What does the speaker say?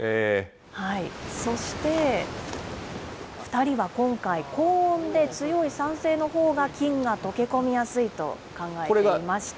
そして、２人は今回、高温で強い酸性のほうが金が溶け込みやすいと考えていまして。